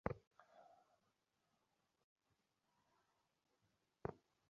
এদের নাচের মানে, তালে তালে শরীর অনাবৃত করে দেখানো।